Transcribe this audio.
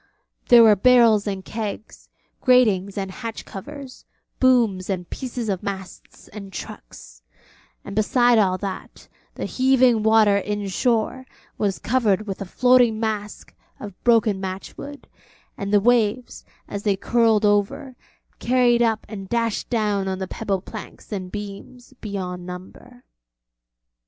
There were barrels and kegs, gratings and hatch covers, booms and pieces of masts and trucks; and beside all that, the heaving water in shore was covered with a floating mask of broken match wood, and the waves, as they curled over, carried up and dashed down on the pebble planks and beams beyond number.